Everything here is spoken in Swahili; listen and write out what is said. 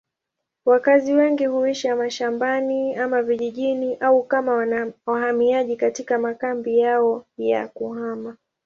Wakazi wengi huishi mashambani ama vijijini au kama wahamiaji katika makambi yao ya kuhama.